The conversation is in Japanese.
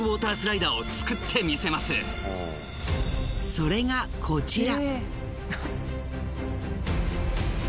それがこちら。